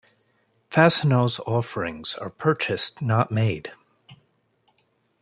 Fastenal's offerings are purchased, not made.